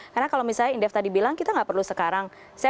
karena kalau misalnya indev tadi bilang kita nggak perlu sekarang